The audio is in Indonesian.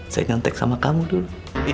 saya nyontek sama kamu dulu